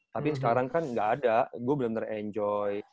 tapi sekarang kan nggak ada gue bener bener enjoy